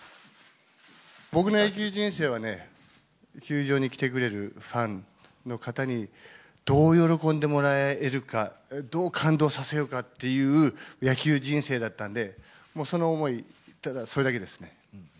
僕の野球人生はね、球場に来てくれるファンの方に、どう喜んでもらえるか、どう感動させようかっていう、野球人生だったんで、もうその思い、ただそれだけですね。